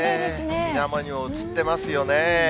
みなもにも映ってますよね。